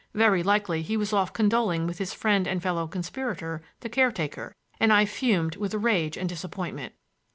Very likely he was off condoling with his friend and fellow conspirator, the caretaker, and I fumed with rage and disappointment.